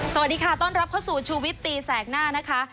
สวัสดีค่ะต้อนรับเข้าสู่ชูวิตตีแสกหน้านะคะ